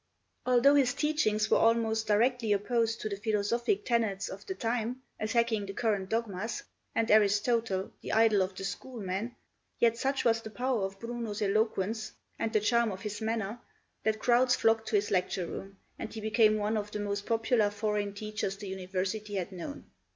Although his teachings were almost directly opposed to the philosophic tenets of the time, attacking the current dogmas, and Aristotle, the idol of the schoolmen, yet such was the power of Bruno's eloquence and the charm of his manner that crowds flocked to his lecture room, and he became one of the most popular foreign teachers the university had known.